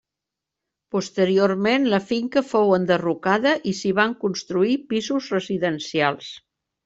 Posteriorment la finca fou enderrocada i s'hi van construir pisos residencials.